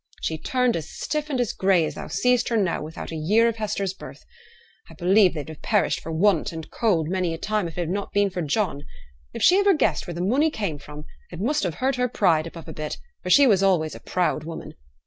She turned as stiff and as grey as thou seest her now within a year of Hester's birth. I believe they'd have perished for want and cold many a time if it had not been for John. If she ever guessed where the money came from, it must have hurt her pride above a bit, for she was always a proud woman.